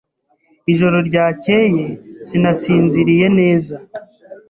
Ijoro ryakeye sinasinziriye neza.